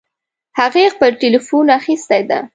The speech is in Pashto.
هغې خپل ټیلیفون اخیستی ده